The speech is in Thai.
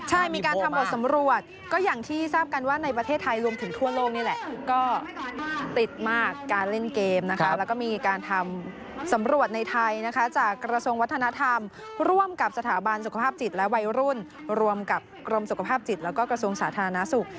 ใช่มีการทำบทสำรวจก็อย่างที่ทราบกันว่าในประเทศไทยรวมถึงทั่วโลกนี่แหละก็ติดมากการเล่นเกมนะคะแล้วก็มีการทำสำรวจในไทยนะคะจากกระทรวงวัฒนธรรมร่วมกับสถาบันสุขภาพจิตและวัยรุ่นรวมกับกรมสุขภาพจิตแล้วก็กระทรวงสาธารณสุข